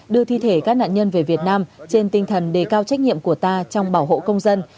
đưa thi thể các nạn nhân về việt nam trên tinh thần đề cao trách nhiệm của ta trong bảo hộ công dân